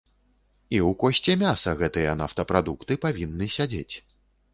І ў кошце мяса гэтыя нафтапрадукты павінны сядзець.